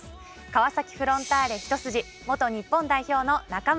川崎フロンターレ一筋元日本代表の中村憲剛さんです。